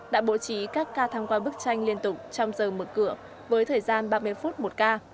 đã bố trí các ca tham quan bức tranh liên tục trong giờ mở cửa với thời gian ba mươi phút một ca